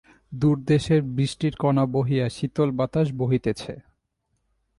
দূরদেশের বৃষ্টির কণা বহিয়া শীতল বাতাস বহিতেছে।